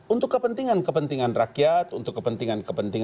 untuk kepentingan kepentingan rakyat